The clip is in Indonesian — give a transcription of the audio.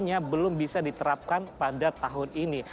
yang belum bisa diterapkan pada tahun ini